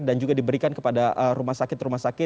dan juga diberikan kepada rumah sakit